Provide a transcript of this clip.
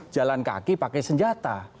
jalan kaki pakai senjata